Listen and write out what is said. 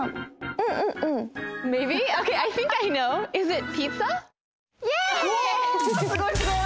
うおすごいすごい！